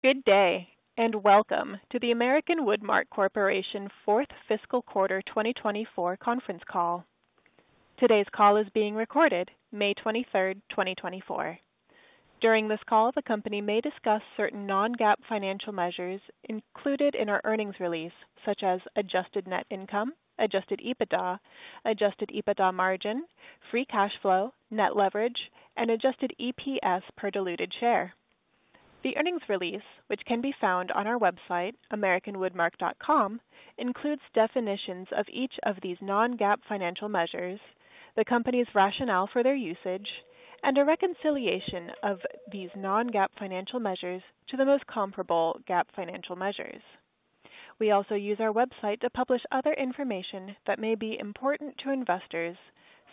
Good day, and welcome to the American Woodmark Corporation fourth fiscal quarter 2024 conference call. Today's call is being recorded, May 23rd, 2024. During this call, the company may discuss certain non-GAAP financial measures included in our earnings release, such as adjusted net income, adjusted EBITDA, adjusted EBITDA margin, free cash flow, net leverage, and adjusted EPS per diluted share. The earnings release, which can be found on our website, americanwoodmark.com, includes definitions of each of these non-GAAP financial measures, the company's rationale for their usage, and a reconciliation of these non-GAAP financial measures to the most comparable GAAP financial measures. We also use our website to publish other information that may be important to investors,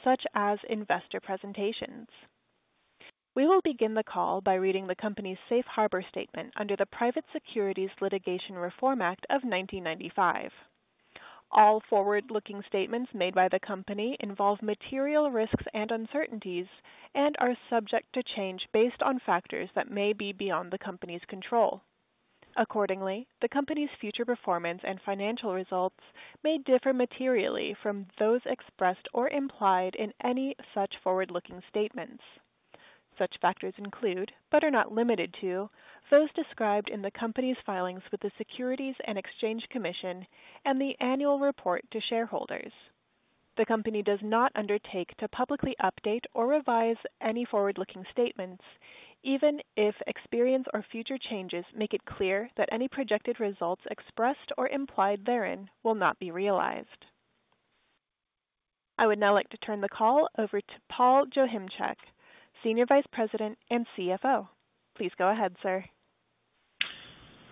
such as investor presentations. We will begin the call by reading the company's Safe Harbor statement under the Private Securities Litigation Reform Act of 1995. All forward-looking statements made by the company involve material risks and uncertainties and are subject to change based on factors that may be beyond the company's control. Accordingly, the company's future performance and financial results may differ materially from those expressed or implied in any such forward-looking statements. Such factors include, but are not limited to, those described in the company's filings with the Securities and Exchange Commission and the annual report to shareholders. The company does not undertake to publicly update or revise any forward-looking statements, even if experience or future changes make it clear that any projected results expressed or implied therein will not be realized. I would now like to turn the call over to Paul Joachimczyk, Senior Vice President and CFO. Please go ahead, sir.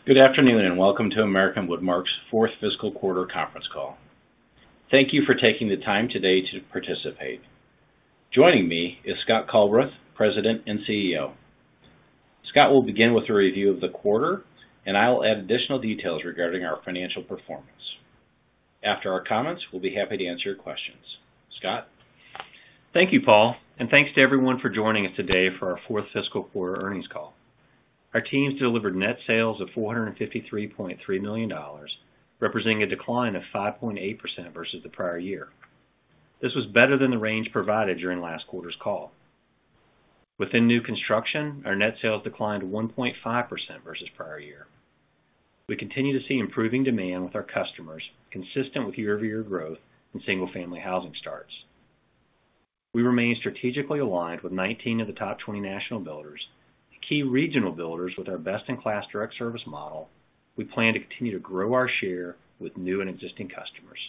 Good afternoon, and welcome to American Woodmark's fourth fiscal quarter conference call. Thank you for taking the time today to participate. Joining me is Scott Culbreth, President and CEO. Scott will begin with a review of the quarter, and I will add additional details regarding our financial performance. After our comments, we'll be happy to answer your questions. Scott? Thank you, Paul, and thanks to everyone for joining us today for our fourth fiscal quarter earnings call. Our teams delivered net sales of $453.3 million, representing a decline of 5.8% versus the prior year. This was better than the range provided during last quarter's call. Within new construction, our net sales declined 1.5% versus prior year. We continue to see improving demand with our customers, consistent with year-over-year growth in single-family housing starts. We remain strategically aligned with 19 of the top 20 national builders, key regional builders with our best-in-class direct service model. We plan to continue to grow our share with new and existing customers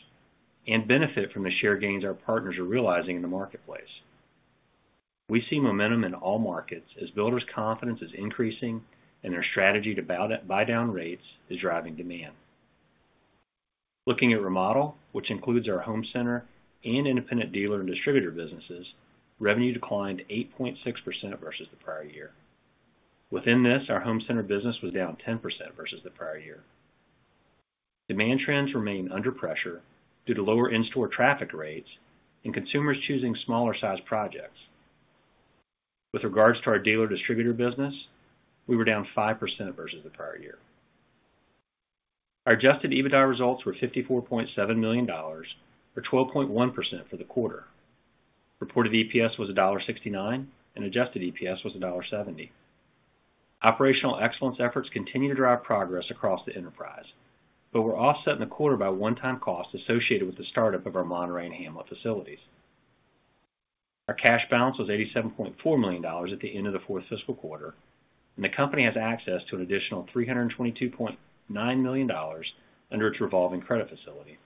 and benefit from the share gains our partners are realizing in the marketplace. We see momentum in all markets as builders' confidence is increasing and their strategy to buy down rates is driving demand. Looking at remodel, which includes our home center and independent dealer and distributor businesses, revenue declined 8.6% versus the prior year. Within this, our Home Center business was down 10% versus the prior year. Demand trends remain under pressure due to lower in-store traffic rates and consumers choosing smaller-sized projects. With regards to our Dealer Distributor business, we were down 5% versus the prior year. Our adjusted EBITDA results were $54.7 million, or 12.1% for the quarter. Reported EPS was $1.69, and adjusted EPS was $1.70. Operational excellence efforts continue to drive progress across the enterprise, but were offset in the quarter by a one-time cost associated with the startup of our Monterrey and Hamlet facilities. Our cash balance was $87.4 million at the end of the fourth fiscal quarter, and the company has access to an additional $322.9 million under its revolving credit facility.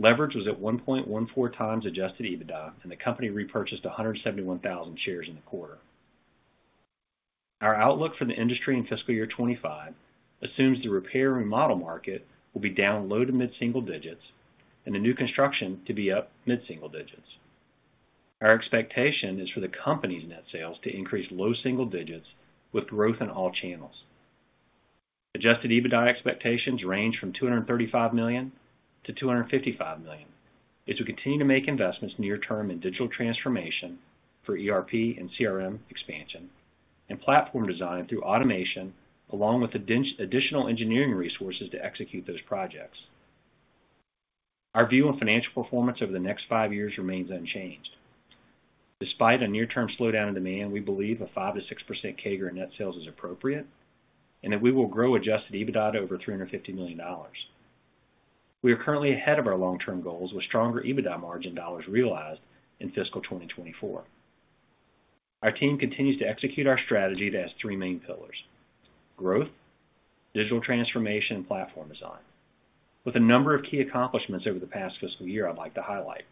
Leverage was at 1.14x adjusted EBITDA, and the company repurchased 171,000 shares in the quarter. Our outlook for the industry in fiscal year 2025 assumes the repair and remodel market will be down low- to mid-single digits and the new construction to be up mid-single digits. Our expectation is for the company's net sales to increase low single digits with growth in all channels. Adjusted EBITDA expectations range from $235 million-$255 million, as we continue to make investments near term in digital transformation for ERP and CRM expansion and platform design through automation, along with additional engineering resources to execute those projects. Our view on financial performance over the next five years remains unchanged. Despite a near-term slowdown in demand, we believe a 5%-6% CAGR net sales is appropriate and that we will grow adjusted EBITDA to over $350 million. We are currently ahead of our long-term goals, with stronger EBITDA margin dollars realized in fiscal 2024. Our team continues to execute our strategy that has three main pillars: growth, digital transformation, and platform design. With a number of key accomplishments over the past fiscal year, I'd like to highlight.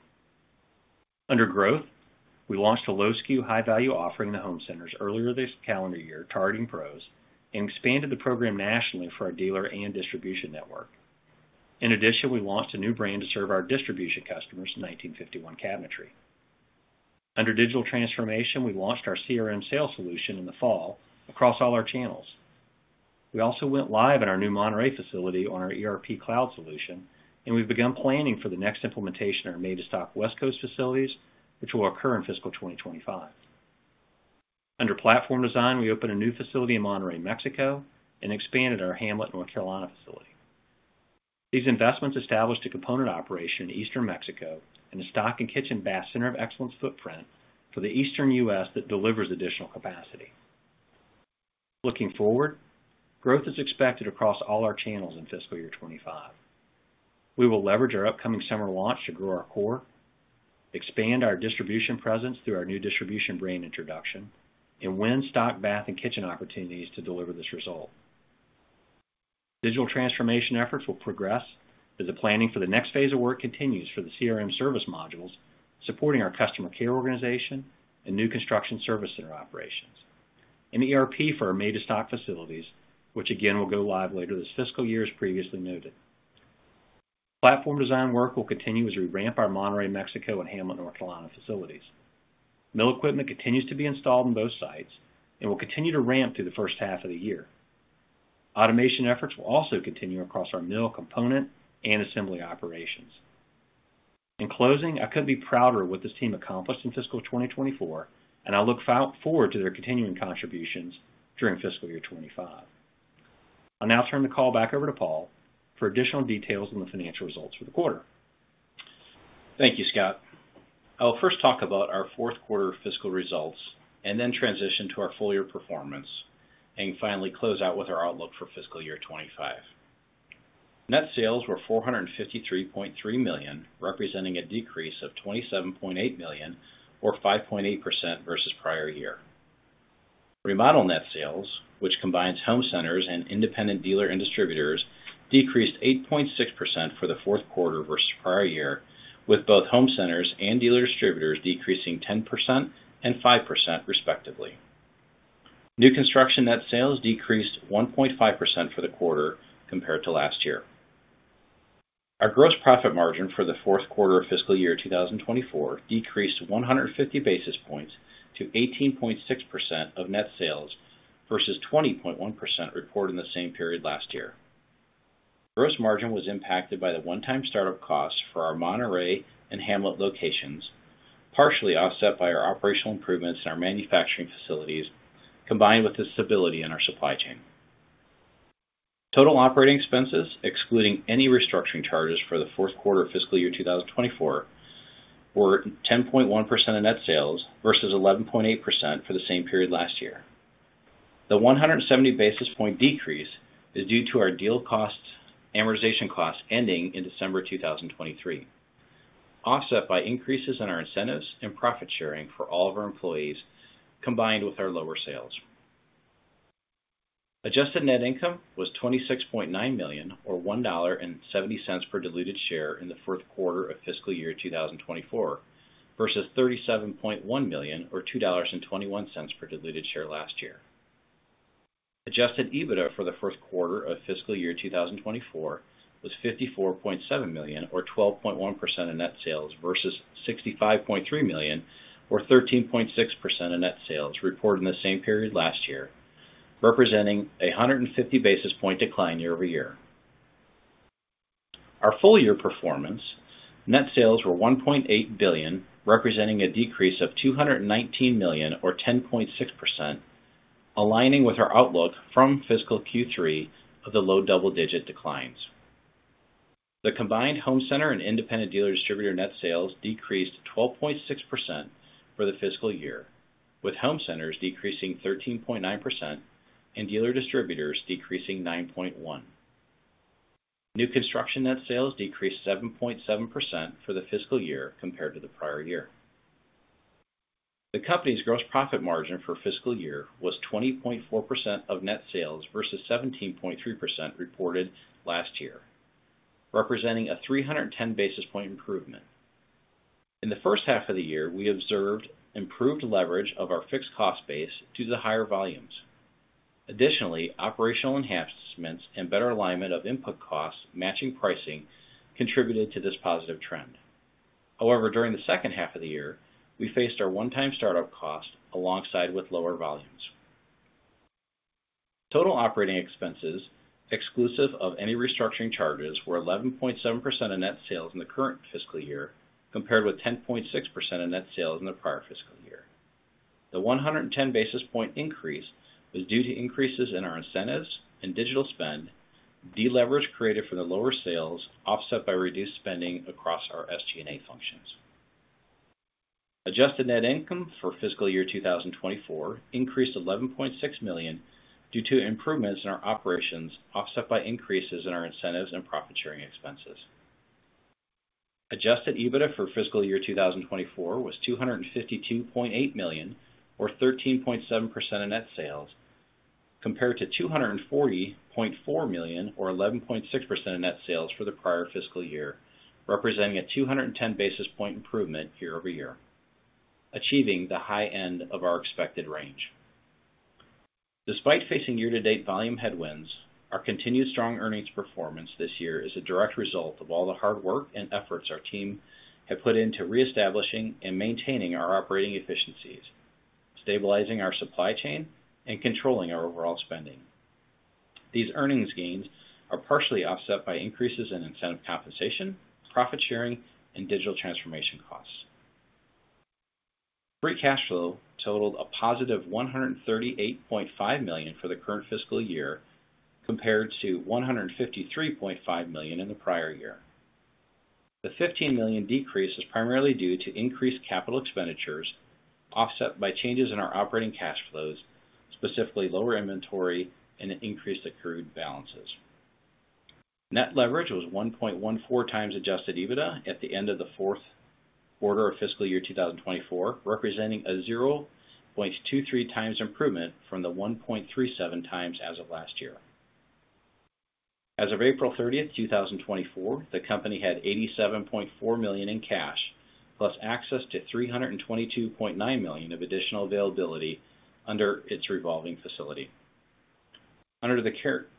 Under growth, we launched a low SKU, high-value offering to home centers earlier this calendar year, targeting pros, and expanded the program nationally for our dealer and distribution network. In addition, we launched a new brand to serve our distribution customers, 1951 Cabinetry. Under digital transformation, we launched our CRM sales solution in the fall across all our channels. We also went live in our new Monterrey facility on our ERP cloud solution, and we've begun planning for the next implementation in our made-to-stock West Coast facilities, which will occur in fiscal 2025. Under platform design, we opened a new facility in Monterrey, Mexico, and expanded our Hamlet, North Carolina, facility. These investments established a component operation in Eastern Mexico and a stock and kitchen bath center of excellence footprint for the Eastern U.S. that delivers additional capacity. Looking forward, growth is expected across all our channels in fiscal year 25. We will leverage our upcoming summer launch to grow our core, expand our distribution presence through our new distribution brand introduction, and win stock, bath, and kitchen opportunities to deliver this result. Digital transformation efforts will progress as the planning for the next phase of work continues for the CRM service modules, supporting our customer care organization and new construction service center operations, and the ERP for our made-to-stock facilities, which again, will go live later this fiscal year, as previously noted. Platform design work will continue as we ramp our Monterrey, Mexico, and Hamlet, North Carolina, facilities. Mill equipment continues to be installed on both sites and will continue to ramp through the first half of the year. Automation efforts will also continue across our mill, component, and assembly operations. In closing, I couldn't be prouder of what this team accomplished in fiscal 2024, and I look forward to their continuing contributions during fiscal year 2025. I'll now turn the call back over to Paul for additional details on the financial results for the quarter. Thank you, Scott. I'll first talk about our fourth quarter fiscal results and then transition to our full-year performance, and finally, close out with our outlook for fiscal year 2025. Net sales were $453.3 million, representing a decrease of $27.8 million, or 5.8% versus prior year. Remodel net sales, which combines home centers and independent dealer and distributors, decreased 8.6% for the fourth quarter versus prior year, with both home centers and dealer distributors decreasing 10% and 5%, respectively. New construction net sales decreased 1.5% for the quarter compared to last year. Our gross profit margin for the fourth quarter of fiscal year 2024 decreased 150 basis points to 18.6% of net sales versus 20.1% reported in the same period last year. Gross margin was impacted by the one-time startup costs for our Monterrey and Hamlet locations, partially offset by our operational improvements in our manufacturing facilities, combined with the stability in our supply chain. Total operating expenses, excluding any restructuring charges for the fourth quarter of fiscal year 2024, were 10.1% of net sales versus 11.8% for the same period last year. The 170 basis point decrease is due to our deal costs, amortization costs ending in December 2023, offset by increases in our incentives and profit sharing for all of our employees, combined with our lower sales. Adjusted net income was $26.9 million, or $1.70 per diluted share in the fourth quarter of fiscal year 2024, versus $37.1 million, or $2.21 per diluted share last year. Adjusted EBITDA for the fourth quarter of fiscal year 2024 was $54.7 million, or 12.1% of net sales, versus $65.3 million, or 13.6% of net sales reported in the same period last year, representing a 150 basis point decline year-over-year. Our full-year performance. Net sales were $1.8 billion, representing a decrease of $219 million, or 10.6%, aligning with our outlook from fiscal Q3 of the low double-digit declines. The combined home center and independent dealer distributor net sales decreased 12.6% for the fiscal year, with home centers decreasing 13.9% and dealer distributors decreasing 9.1%. New construction net sales decreased 7.7% for the fiscal year compared to the prior year. The company's gross profit margin for fiscal year was 20.4% of net sales versus 17.3% reported last year, representing a 310 basis point improvement. In the first half of the year, we observed improved leverage of our fixed cost base due to the higher volumes. Additionally, operational enhancements and better alignment of input costs, matching pricing contributed to this positive trend. However, during the second half of the year, we faced our one-time startup cost alongside with lower volumes. Total operating expenses, exclusive of any restructuring charges, were 11.7% of net sales in the current fiscal year, compared with 10.6% of net sales in the prior fiscal year. The 110 basis point increase was due to increases in our incentives and digital spend, deleverage created for the lower sales, offset by reduced spending across our SG&A functions. Adjusted net income for fiscal year 2024 increased to $11.6 million due to improvements in our operations, offset by increases in our incentives and profit sharing expenses. Adjusted EBITDA for fiscal year 2024 was $252.8 million, or 13.7% of net sales, compared to $240.4 million, or 11.6% of net sales for the prior fiscal year, representing a 210 basis point improvement year-over-year, achieving the high end of our expected range. Despite facing year-to-date volume headwinds, our continued strong earnings performance this year is a direct result of all the hard work and efforts our team have put into reestablishing and maintaining our operating efficiencies, stabilizing our supply chain, and controlling our overall spending. These earnings gains are partially offset by increases in incentive compensation, profit sharing, and digital transformation costs. Free cash flow totaled a positive $138.5 million for the current fiscal year, compared to $153.5 million in the prior year. The $15 million decrease is primarily due to increased capital expenditures, offset by changes in our operating cash flows, specifically lower inventory and an increased accrued balances. Net leverage was 1.14 times adjusted EBITDA at the end of the fourth quarter of fiscal year 2024, representing a 0.23 times improvement from the 1.37 times as of last year. As of April 30th, 2024, the company had $87.4 million in cash, plus access to $322.9 million of additional availability under its revolving facility. Under the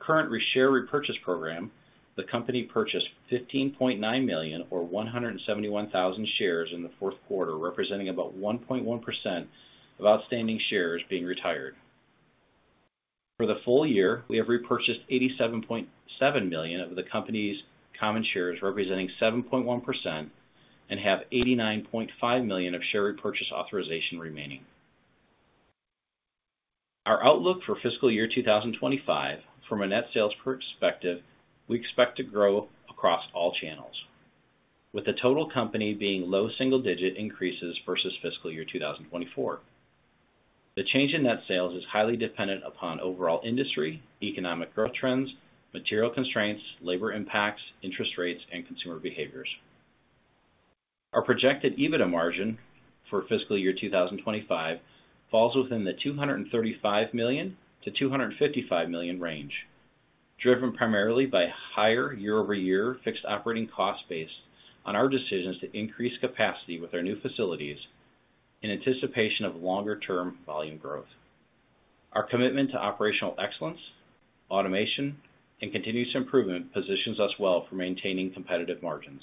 current share repurchase program, the company purchased 15.9 million, or 171,000 shares in the fourth quarter, representing about 1.1% of outstanding shares being retired. For the full year, we have repurchased 87.7 million of the company's common shares, representing 7.1%, and have 89.5 million of share repurchase authorization remaining. Our outlook for fiscal year 2025, from a net sales perspective, we expect to grow across all channels, with the total company being low single-digit increases versus fiscal year 2024. The change in net sales is highly dependent upon overall industry, economic growth trends, material constraints, labor impacts, interest rates, and consumer behaviors. Our projected EBITDA margin for fiscal year 2025 falls within the $235 million-$255 million range, driven primarily by higher year-over-year fixed operating cost base on our decisions to increase capacity with our new facilities in anticipation of longer-term volume growth. Our commitment to operational excellence, automation, and continuous improvement positions us well for maintaining competitive margins.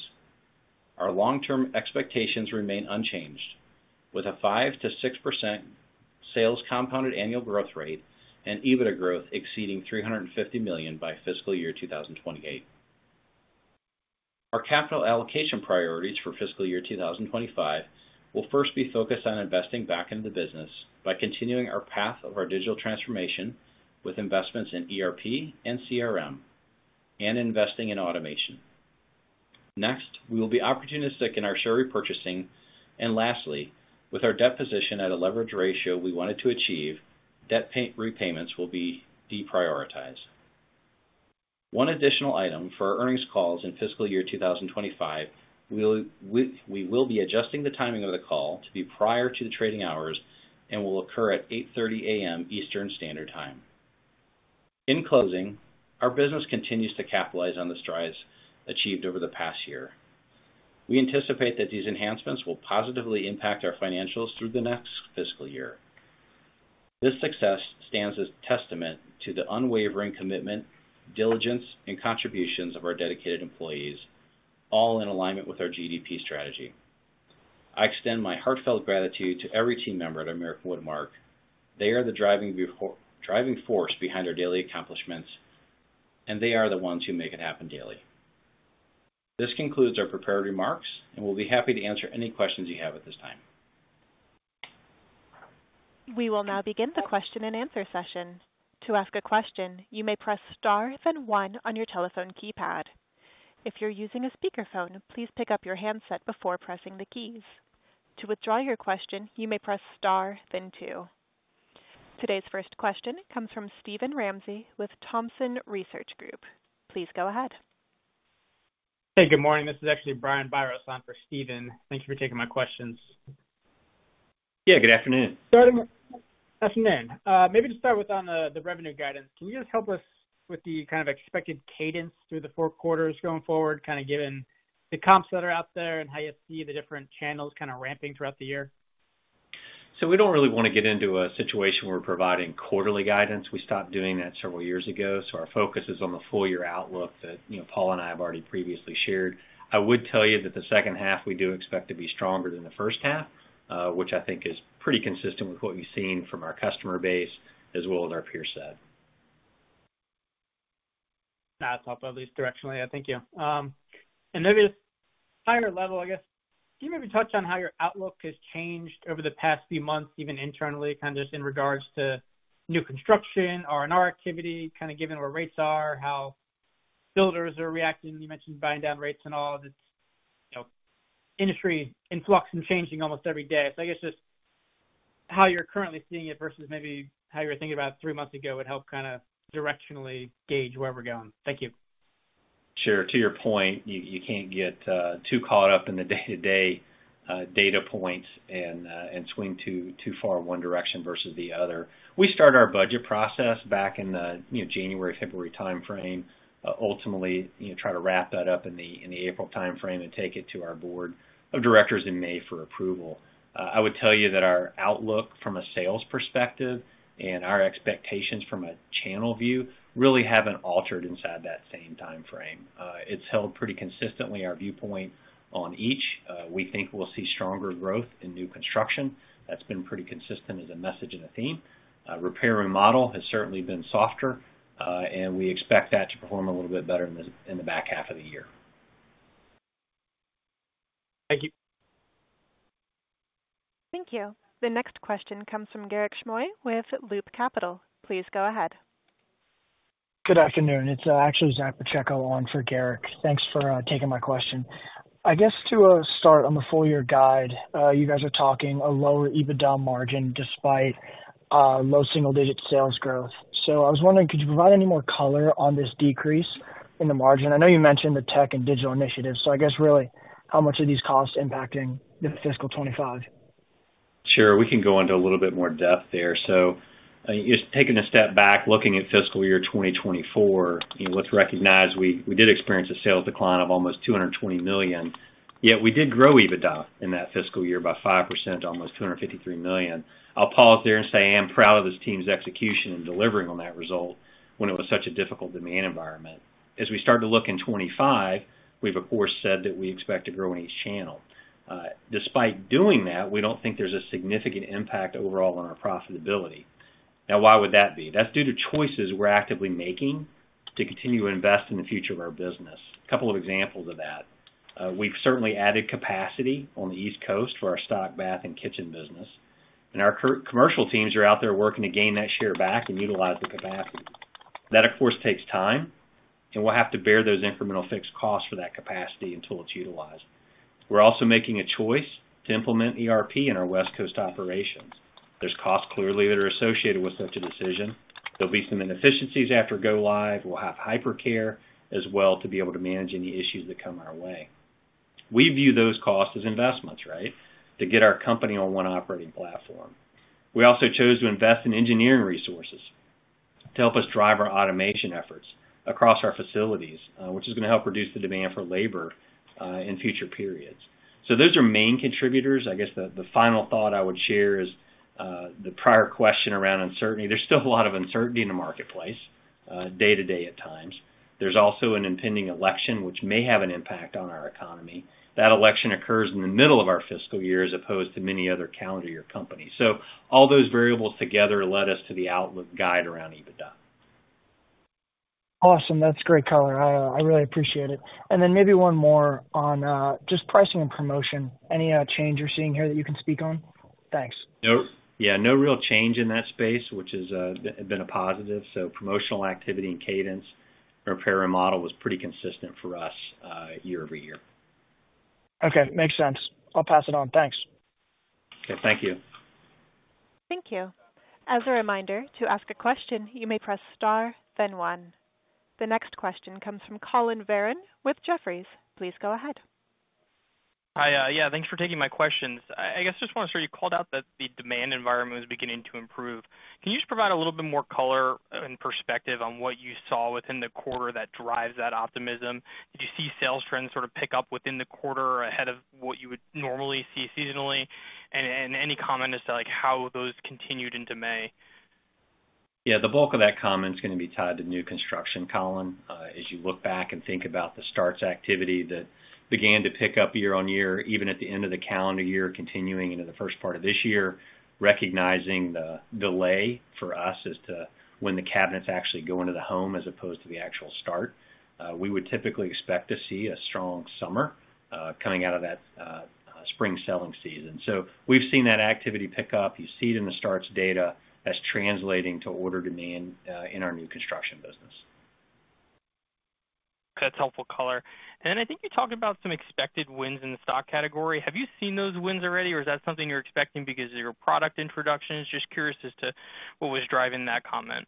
Our long-term expectations remain unchanged, with a 5%-6% sales compounded annual growth rate and EBITDA growth exceeding $350 million by fiscal year 2028. Our capital allocation priorities for fiscal year 2025 will first be focused on investing back into the business by continuing our path of our digital transformation with investments in ERP and CRM and investing in automation. Next, we will be opportunistic in our share repurchasing, and lastly, with our debt position at a leverage ratio we wanted to achieve, debt repayments will be deprioritized. One additional item for our earnings calls in fiscal year 2025, we will be adjusting the timing of the call to be prior to the trading hours and will occur at 8:30 A.M. Eastern Standard Time. In closing, our business continues to capitalize on the strides achieved over the past year. We anticipate that these enhancements will positively impact our financials through the next fiscal year. This success stands as testament to the unwavering commitment, diligence, and contributions of our dedicated employees, all in alignment with our GDP strategy. I extend my heartfelt gratitude to every team member at American Woodmark. They are the driving force behind our daily accomplishments, and they are the ones who make it happen daily. This concludes our prepared remarks, and we'll be happy to answer any questions you have at this time. We will now begin the question-and-answer session. To ask a question, you may press star, then one on your telephone keypad. If you're using a speakerphone, please pick up your handset before pressing the keys. To withdraw your question, you may press star, then two. Today's first question comes from Steven Ramsey with Thompson Research Group. Please go ahead. Hey, good morning. This is actually Brian Biros on for Steven. Thank you for taking my questions. Yeah, good afternoon. Good afternoon. Maybe to start with on the revenue guidance, can you just help us with the kind of expected cadence through the four quarters going forward, kind of given the comps that are out there and how you see the different channels kind of ramping throughout the year? So we don't really want to get into a situation where we're providing quarterly guidance. We stopped doing that several years ago, so our focus is on the full-year outlook that, you know, Paul and I have already previously shared. I would tell you that the second half, we do expect to be stronger than the first half, which I think is pretty consistent with what we've seen from our customer base as well as our peer set. That's helpful, at least directionally. Thank you. Maybe at a higher level, I guess, can you maybe touch on how your outlook has changed over the past few months, even internally, kind of just in regards to new construction or in our activity, kind of given where rates are, how builders are reacting? You mentioned buying down rates and all of this, you know, industry in flux and changing almost every day. I guess just how you're currently seeing it versus maybe how you were thinking about it three months ago, would help kind of directionally gauge where we're going. Thank you. Sure. To your point, you can't get too caught up in the day-to-day data points and swing too far in one direction versus the other. We start our budget process back in the, you know, January, February timeframe. Ultimately, you know, try to wrap that up in the April timeframe and take it to our board of directors in May for approval. I would tell you that our outlook from a sales perspective and our expectations from a channel view really haven't altered inside that same timeframe. It's held pretty consistently our viewpoint on each. We think we'll see stronger growth in new construction. That's been pretty consistent as a message and a theme. Repair and remodel has certainly been softer, and we expect that to perform a little bit better in the back half of the year. Thank you. Thank you. The next question comes from Garik Shmois with Loop Capital. Please go ahead. Good afternoon. It's actually Zach Pacheco on for Garik. Thanks for taking my question. I guess to start on the full year guide, you guys are talking a lower EBITDA margin despite low single-digit sales growth. So I was wondering, could you provide any more color on this decrease in the margin? I know you mentioned the tech and digital initiatives, so I guess really, how much are these costs impacting the fiscal 2025? Sure. We can go into a little bit more depth there. So, just taking a step back, looking at fiscal year 2024, you know, let's recognize we, we did experience a sales decline of almost $220 million, yet we did grow EBITDA in that fiscal year by 5%, almost $253 million. I'll pause there and say I am proud of this team's execution in delivering on that result when it was such a difficult demand environment. As we start to look in 2025, we've, of course, said that we expect to grow in each channel. Despite doing that, we don't think there's a significant impact overall on our profitability. Now, why would that be? That's due to choices we're actively making to continue to invest in the future of our business. A couple of examples of that. We've certainly added capacity on the East Coast for our stock, bath, and kitchen business, and our current commercial teams are out there working to gain that share back and utilize the capacity. That, of course, takes time, and we'll have to bear those incremental fixed costs for that capacity until it's utilized. We're also making a choice to implement ERP in our West Coast operations. There's costs clearly that are associated with such a decision. There'll be some inefficiencies after go live. We'll have hypercare as well to be able to manage any issues that come our way. We view those costs as investments, right? To get our company on one operating platform. We also chose to invest in engineering resources to help us drive our automation efforts across our facilities, which is gonna help reduce the demand for labor in future periods. So those are main contributors. I guess the final thought I would share is, the prior question around uncertainty. There's still a lot of uncertainty in the marketplace, day-to-day at times. There's also an impending election, which may have an impact on our economy. That election occurs in the middle of our fiscal year, as opposed to many other calendar year companies. So all those variables together led us to the outlook guide around EBITDA. Awesome. That's great color. I really appreciate it. And then maybe one more on, just pricing and promotion. Any change you're seeing here that you can speak on? Thanks. No. Yeah, no real change in that space, which is been a positive. So promotional activity and cadence for repair and model was pretty consistent for us, year over year. Okay, makes sense. I'll pass it on. Thanks. Okay, thank you. Thank you. As a reminder, to ask a question, you may press star, then one. The next question comes from Collin Verron with Jefferies. Please go ahead. Hi. Yeah, thanks for taking my questions. I guess, just want to sort of, you called out that the demand environment is beginning to improve. Can you just provide a little bit more color and perspective on what you saw within the quarter that drives that optimism? Did you see sales trends sort of pick up within the quarter ahead of what you would normally see seasonally? And any comment as to, like, how those continued into May? Yeah, the bulk of that comment is gonna be tied to new construction, Collin. As you look back and think about the starts activity that began to pick up year-over-year, even at the end of the calendar year, continuing into the first part of this year, recognizing the delay for us as to when the cabinets actually go into the home as opposed to the actual start, we would typically expect to see a strong summer, coming out of that, spring selling season. So we've seen that activity pick up. You see it in the starts data as translating to order demand, in our new construction business. That's helpful color. Then I think you talked about some expected wins in the stock category. Have you seen those wins already, or is that something you're expecting because of your product introductions? Just curious as to what was driving that comment.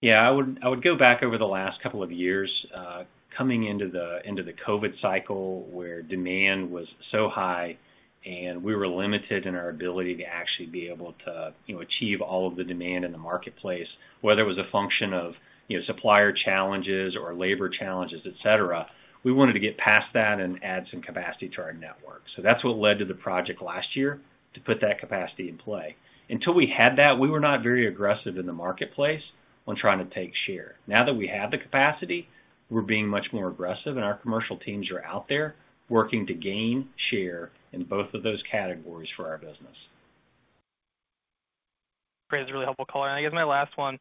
Yeah, I would go back over the last couple of years, coming into the COVID cycle, where demand was so high, and we were limited in our ability to actually be able to, you know, achieve all of the demand in the marketplace, whether it was a function of, you know, supplier challenges or labor challenges, et cetera. We wanted to get past that and add some capacity to our network. So that's what led to the project last year, to put that capacity in play. Until we had that, we were not very aggressive in the marketplace on trying to take share. Now that we have the capacity, we're being much more aggressive, and our commercial teams are out there working to gain share in both of those categories for our business. Great. It's a really helpful color. And I guess my last one,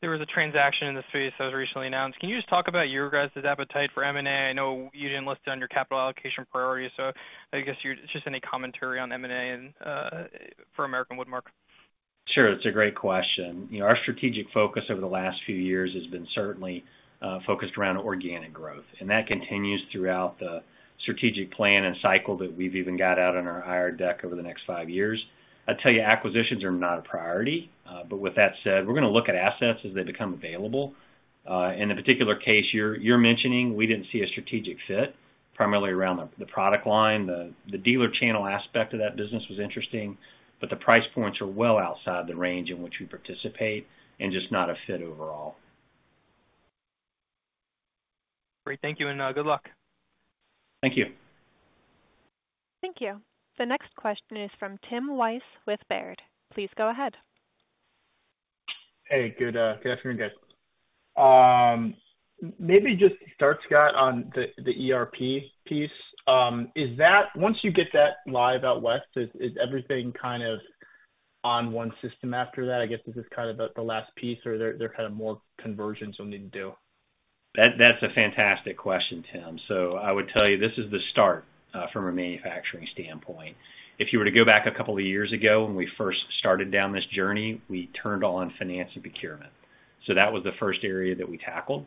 there was a transaction in the space that was recently announced. Can you just talk about your guys' appetite for M&A? I know you didn't list it on your capital allocation priority, so I guess, just any commentary on M&A and for American Woodmark. Sure. It's a great question. You know, our strategic focus over the last few years has been certainly focused around organic growth, and that continues throughout the strategic plan and cycle that we've even got out on our higher deck over the next five years. I'd tell you, acquisitions are not a priority, but with that said, we're gonna look at assets as they become available. In the particular case you're mentioning, we didn't see a strategic fit, primarily around the product line. The dealer channel aspect of that business was interesting, but the price points are well outside the range in which we participate and just not a fit overall. Great. Thank you, and good luck. Thank you. Thank you. The next question is from Tim Wojs with Baird. Please go ahead. Hey, good afternoon, guys. Maybe just start, Scott, on the ERP piece. Is that once you get that live out west, is everything kind of on one system after that? I guess, is this kind of the last piece, or there are kind of more conversions you need to do? That, that's a fantastic question, Tim. So I would tell you, this is the start, from a manufacturing standpoint. If you were to go back a couple of years ago when we first started down this journey, we turned on finance and procurement. So that was the first area that we tackled.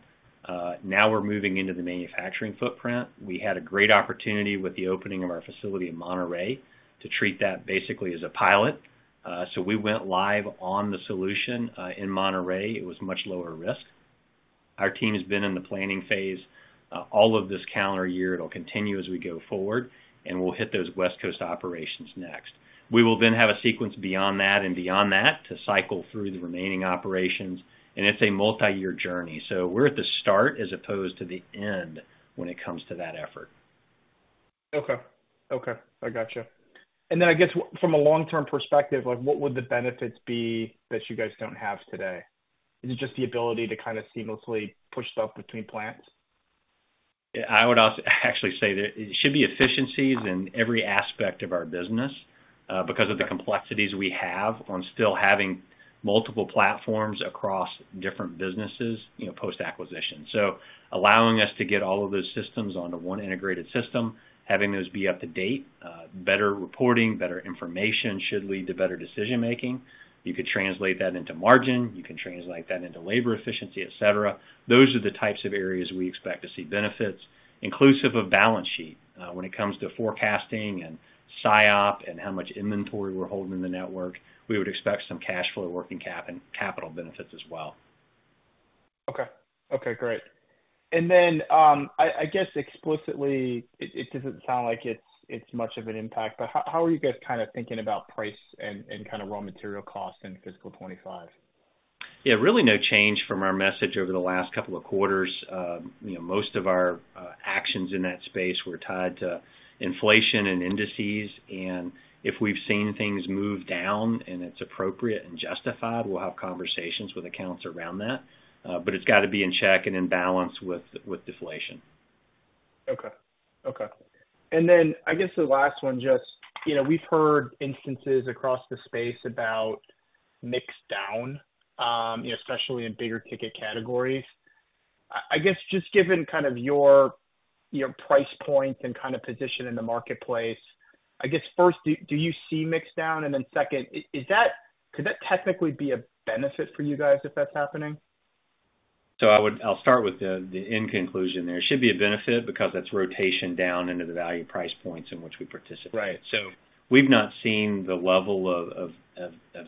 Now we're moving into the manufacturing footprint. We had a great opportunity with the opening of our facility in Monterrey, to treat that basically as a pilot. So we went live on the solution, in Monterrey. It was much lower risk. Our team has been in the planning phase, all of this calendar year. It'll continue as we go forward, and we'll hit those West Coast operations next. We will then have a sequence beyond that and beyond that to cycle through the remaining operations, and it's a multi-year journey. We're at the start as opposed to the end when it comes to that effort. Okay. Okay, I gotcha. And then I guess from a long-term perspective, like, what would the benefits be that you guys don't have today? Is it just the ability to kind of seamlessly push stuff between plants? I would also actually say that it should be efficiencies in every aspect of our business, because of the complexities we have on still having multiple platforms across different businesses, you know, post-acquisition. So allowing us to get all of those systems onto one integrated system, having those be up to date, better reporting, better information should lead to better decision making. You could translate that into margin, you can translate that into labor efficiency, et cetera. Those are the types of areas we expect to see benefits, inclusive of balance sheet. When it comes to forecasting and SIOP and how much inventory we're holding in the network, we would expect some cash flow working cap and capital benefits as well. Okay. Okay, great. And then, I guess explicitly, it doesn't sound like it's much of an impact, but how are you guys kind of thinking about price and kind of raw material costs in fiscal 2025? Yeah, really no change from our message over the last couple of quarters. You know, most of our actions in that space were tied to inflation and indices, and if we've seen things move down and it's appropriate and justified, we'll have conversations with accounts around that. But it's got to be in check and in balance with deflation. Okay. Okay. And then I guess the last one, just, you know, we've heard instances across the space about mix down, especially in bigger ticket categories. I guess just given kind of your price points and kind of position in the marketplace, I guess first, do you see mix down? And then second, could that technically be a benefit for you guys if that's happening? So I would... I'll start with the end conclusion there. It should be a benefit because that's rotation down into the value price points in which we participate. Right. So we've not seen the level of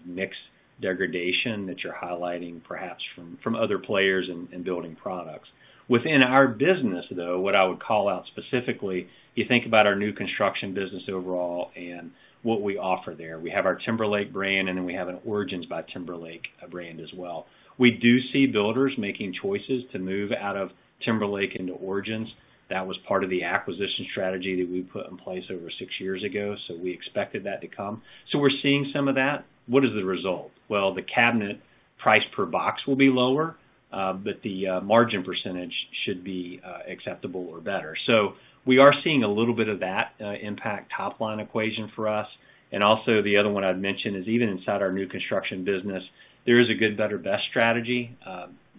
mix degradation that you're highlighting, perhaps from other players in building products. Within our business, though, what I would call out specifically, you think about our new construction business overall and what we offer there. We have our Timberlake brand, and then we have an Origins by Timberlake brand as well. We do see builders making choices to move out of Timberlake into Origins. That was part of the acquisition strategy that we put in place over six years ago, so we expected that to come. So we're seeing some of that. What is the result? Well, the cabinet price per box will be lower, but the margin percentage should be acceptable or better. So we are seeing a little bit of that impact top line equation for us. And also the other one I'd mention is, even inside our new construction business, there is a good, better, best strategy.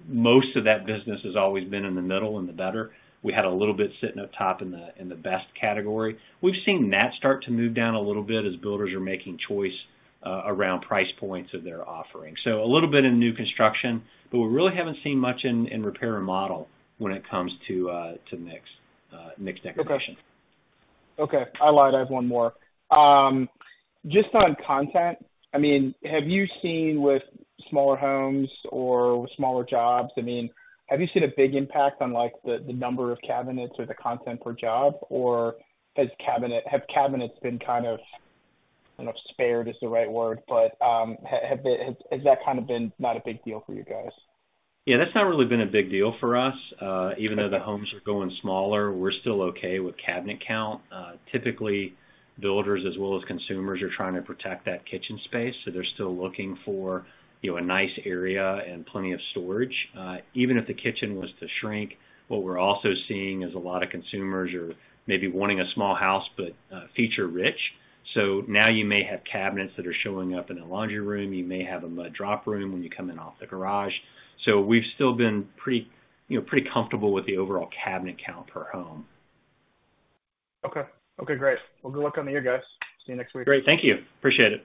Most of that business has always been in the middle and the better. We had a little bit sitting up top in the best category. We've seen that start to move down a little bit as builders are making choice around price points of their offering. So a little bit in new construction, but we really haven't seen much in repair and remodel when it comes to to mix, mix degradation. Okay. I lied, I have one more. Just on content, I mean, have you seen with smaller homes or with smaller jobs, I mean, have you seen a big impact on, like, the number of cabinets or the content per job? Or have cabinets been kind of, I don't know if spared is the right word, but, has that kind of been not a big deal for you guys? Yeah, that's not really been a big deal for us. Even though the homes are going smaller, we're still okay with cabinet count. Typically, builders as well as consumers, are trying to protect that kitchen space, so they're still looking for, you know, a nice area and plenty of storage. Even if the kitchen was to shrink, what we're also seeing is a lot of consumers are maybe wanting a small house, but, feature-rich. So now you may have cabinets that are showing up in a laundry room, you may have them a drop room when you come in off the garage. So we've still been pretty, you know, pretty comfortable with the overall cabinet count per home. Okay. Okay, great. Well, good luck on the year, guys. See you next week. Great. Thank you. Appreciate it.